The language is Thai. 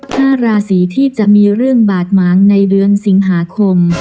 ห้าราศีที่จะมีเรื่องบาดหมางในเดือนสิงหาคม